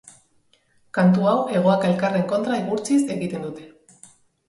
Kantu hau hegoak elkarren kontra igurtziz egiten dute.